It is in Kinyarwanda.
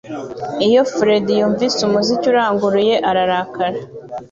Iyo Fred yumvise umuziki uranguruye ararakara